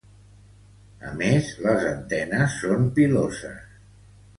A més les antenes són piloses.